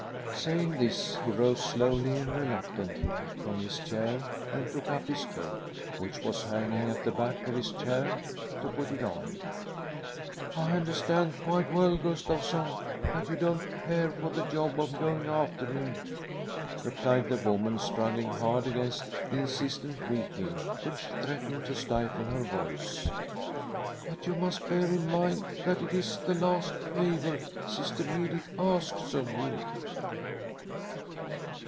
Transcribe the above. Saying this, he rose slowly and reluctantly from his chair and took up his coat, which was hanging at the back of his chair, to put it on. " I understand quite well, Gustavsson, that you don't care for the job of going after him," replied the woman, struggling hard against the insistent weeping which threatened to stifle her voice, " but you must bear in mind, that it is the last favour Sister Edith asks of you."